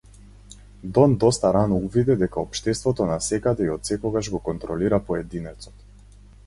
Дон доста рано увиде дека општеството насекаде и отсекогаш го контролира поединецот.